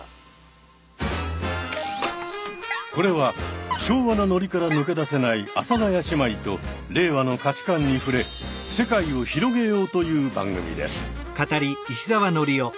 これは昭和なノリから抜け出せない阿佐ヶ谷姉妹と令和の価値観に触れ世界を広げようという番組です。